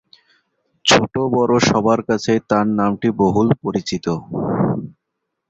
ছোটবড় সবার কাছেই তার নামটি বহুল পরিচিত।